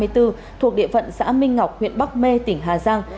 thuộc địa phận xã minh ngọc huyện bắc mê tỉnh hà giang